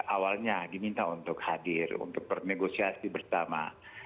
awalnya diminta untuk hadir untuk bernegosiasi bersama